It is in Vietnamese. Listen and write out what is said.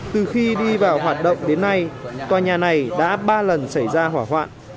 từ khi đi vào hoạt động đến nay tòa nhà này đã ba lần xảy ra hỏa hoạn